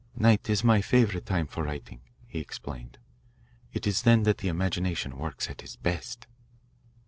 "Night is my favourite time for writing," he explained. "It is then that the imagination works at its best."